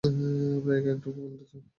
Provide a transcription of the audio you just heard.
আমাদের একা একটু কথা বলতে দাও।